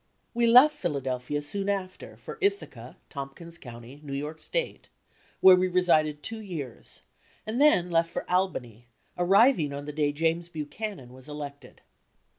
We left Philadelphia soon after for Ithaca, Tompkins County, New York State, where we resided two years and then left for Albany, arriving on the day James Buchanan was elected.